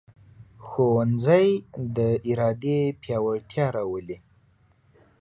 ښوونځی د ارادې پیاوړتیا راولي